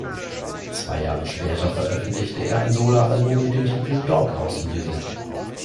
Zwei Jahre später veröffentlichte er ein Soloalbum mit dem Titel "Dog House Music".